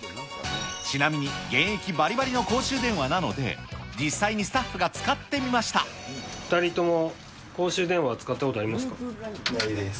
ちなみに現役ばりばりの公衆電話なので、実際にスタッフが使って２人とも、公衆電話使ったこないです。